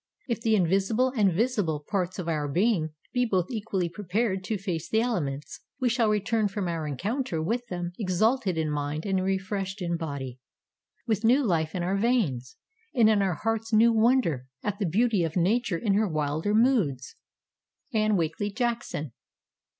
If the invisible and visible parts of our being be both equally prepared to face the elements, we shall return from our encounter with them exalted in mind and refreshed in body; with new life in our veins, and in our hearts new wonder at the beauty of Nature in her wilder moods. Anne Wakely Jackson.